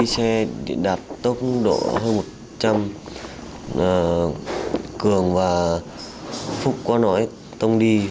xe đạt tốc độ hơn một trăm linh cường và phúc qua nỗi tông đi